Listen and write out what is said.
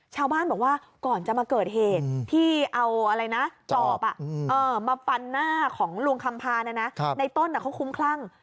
ชาวบ้านบอกว่าก่อนจะมาเกิดเหตุที่เอาอะไรนะจอบมาฟันหน้าของลุงคำพาในต้นเขาคุ้มคลั่ง